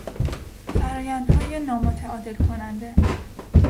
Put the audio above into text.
فرآیندهای نامتعادل کننده